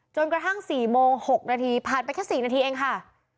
จนกระทั่ง๔โมง๖นาทีผ่านไปแค่๔นาทีเองค่ะ